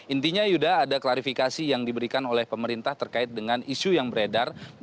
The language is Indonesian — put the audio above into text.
intinya yuda ada klarifikasi yang diberikan oleh pemerintah terkait dengan isu yang beredar